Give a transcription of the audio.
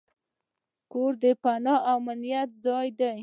کور د پناه او امنیت ځای دی.